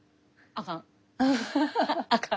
「あかん」。